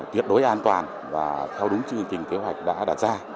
tuyệt đối an toàn và theo đúng chương trình kế hoạch đã đạt ra